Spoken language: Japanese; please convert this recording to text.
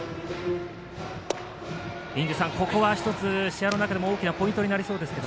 ここは１つ、試合の中でも大きなポイントになりそうです。